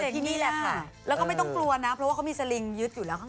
ที่นี่แหละค่ะแล้วก็ไม่ต้องกลัวนะเพราะว่าเขามีสลิงยึดอยู่แล้วข้าง